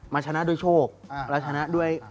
มันชนะด้วยโชคและชนะด้วย